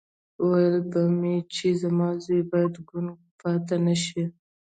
ويل به مې چې زما زوی بايد ګونګی پاتې نه شي.